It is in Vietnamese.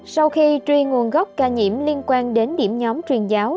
sau khi truy nguồn gốc ca nhiễm liên quan đến điểm nhóm truyền giáo